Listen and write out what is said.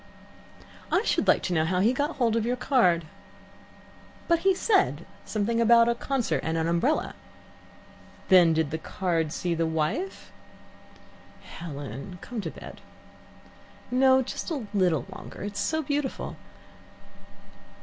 "I should like to know how he got hold of your card." "But he said something about a concert and an umbrella " "Then did the card see the wife " "Helen, come to bed." "No, just a little longer, it is so beautiful.